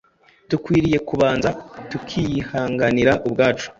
Dukwiriye kubanza tukiyihanganira ubwacu